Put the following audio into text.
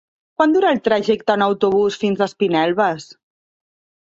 Quant dura el trajecte en autobús fins a Espinelves?